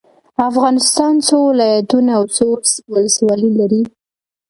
افغانستان څو ولايتونه او څو ولسوالي لري؟